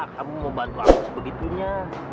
kamu mau bantu aku sebegitunya